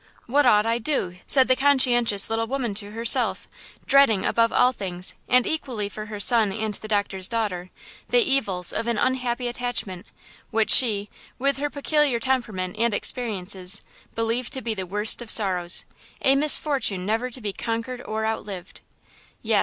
What ought I do?" said the conscientious little woman to herself, dreading above all things, and equally for her son and the doctor's daughter, the evils of an unhappy attachment, which she, with her peculiar temperament and experiences, believed to be the worst of sorrows–a misfortune never to be conquered or outlived. "Yes!